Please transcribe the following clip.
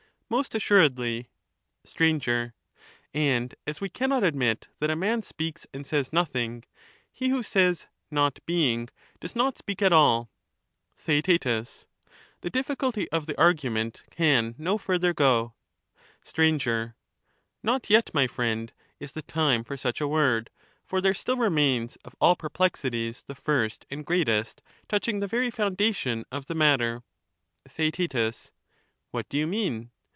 Most assuredly. Str. And as we cannot admit that a man speaks and says It is nothing, he who says ' not being ' does not speak at all. nothing ; Theaet. The difficulty of the argument can no further go. 238 Str. Not yet, my friend, is the time for such a word ; for there still remains of all perplexities the first and greatest, touching the very foundation of the matter, Theaet. What do you mean